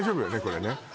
これね